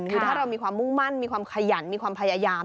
คือถ้าเรามีความมุ่งมั่นมีความขยันมีความพยายาม